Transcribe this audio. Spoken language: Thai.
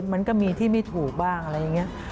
มันก็มีที่ไม่ถูกบ้างอะไรอย่างนี้